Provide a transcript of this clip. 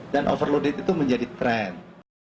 dan overloaded itu menjadi trend